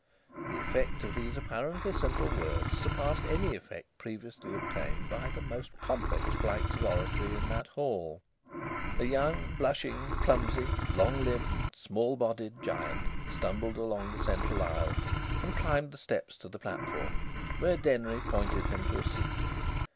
The effect of these apparently simple words surpassed any effect previously obtained by the most complex flights of oratory in that hall. A young, blushing, clumsy, long limbed, small bodied giant stumbled along the central aisle and climbed the steps to the platform, where Denry pointed him to a seat.